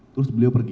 terus beliau pergi